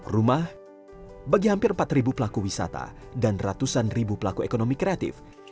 rumah bagi hampir empat pelaku wisata dan ratusan ribu pelaku ekonomi kreatif